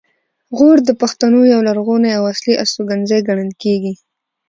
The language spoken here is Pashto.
غور د پښتنو یو لرغونی او اصلي استوګنځی ګڼل کیږي